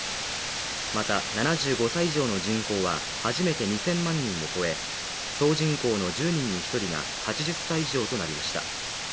また、７５歳以上の人口は初めて２０００万人を超え総人口の１０人に１人が８０歳以上となりました。